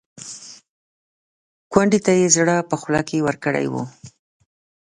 کونډې ته یې زړه په خوله کې ورکړی و.